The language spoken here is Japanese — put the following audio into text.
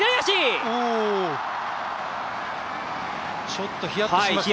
ちょっとヒヤッとしましたね。